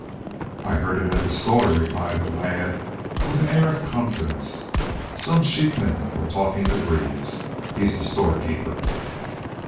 "I heerd it at the store," replied the lad, with an air of confidence. "Some sheepmen was talkin' to Greaves. He's the storekeeper.